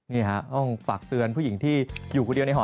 นี่ฮะต้องฝากเตือนผู้หญิงที่อยู่คนเดียวในหอ